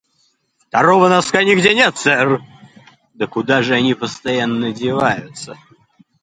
«Второго носка нигде нет, сэр». — «Да куда же они постоянно деваются?»